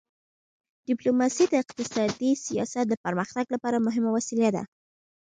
ډیپلوماسي د اقتصادي سیاست د پرمختګ لپاره مهمه وسیله ده.